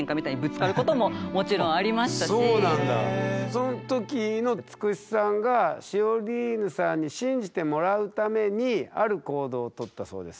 その時のつくしさんがシオリーヌさんに信じてもらうためにある行動を取ったそうです。